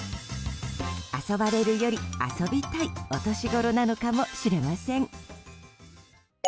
遊ばれるより遊びたいお年ごろなのかもしれません。